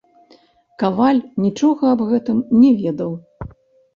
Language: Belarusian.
Каваль нічога аб гэтым но ведаў.